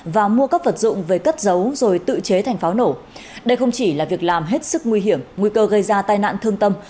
và mua các vật dụng về cất giấu rồi tự chế thành pháo nổ đây không chỉ là việc làm hết sức nguy hiểm nguy cơ gây ra tai nạn thương tâm